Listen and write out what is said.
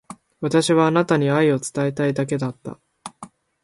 私はあなたに愛を伝えたいだけだった。